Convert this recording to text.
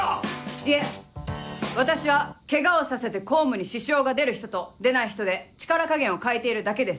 いえ私はケガをさせて公務に支障が出る人と出ない人で力加減を変えているだけです。